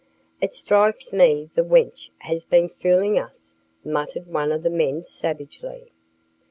"It strikes me the wench has been fooling us," muttered one of the men savagely.